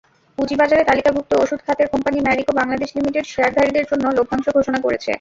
পুঁজিবাজারে তালিকাভুক্ত ওষুধ খাতের কোম্পানি ম্যারিকো বাংলাদেশ লিমিটেড শেয়ারধারীদের জন্য লভ্যাংশ ঘোষণা করেছে।